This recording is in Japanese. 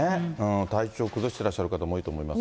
体調崩してらっしゃる方も多いと思いますが。